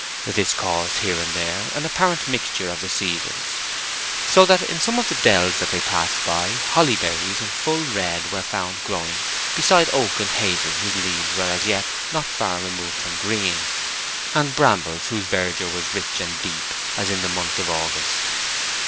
This caused here and there an apparent mixture of the seasons; so that in some of the dells that they passed by holly berries in full red were found growing beside oak and hazel whose leaves were as yet not far removed from green, and brambles whose verdure was rich and deep as in the month of August.